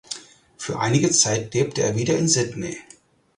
Für einige Zeit lebte er wieder in Sydney.